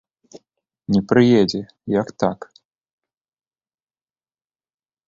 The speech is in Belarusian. Не прыедзе, як так?